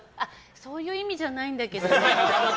そういう意味じゃないんだけど。